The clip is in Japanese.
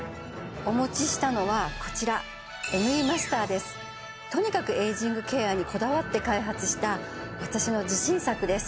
お持ちしたのはこちらとにかくエイジングケアにこだわって開発した私の自信作です